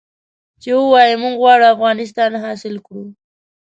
چې ووايي موږ غواړو افغانستان حاصل کړو.